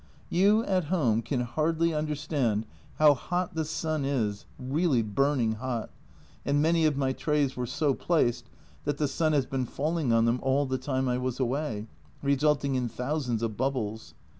You at home can hardly understand how hot the sun is, really burning hot, and many of my trays were so placed that the sun has been falling on them all the time I was away, resulting in thousands of bubbles.